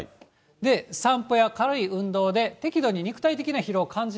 で、散歩や軽い運動で適度に肉体的な疲労を感じ